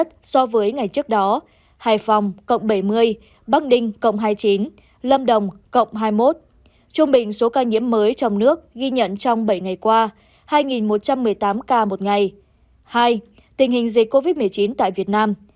hai tình hình dịch covid một mươi chín tại việt nam